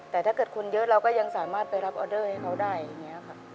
แต่ถ้าเกิดคนเยอะเราก็ยังสามารถไปรับออเดอร์ให้เขาได้อย่างนี้ค่ะ